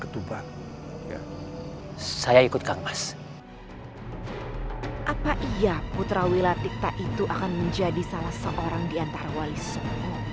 kenapa iya putrawila tikta itu akan menjadi salah seorang diantara wali som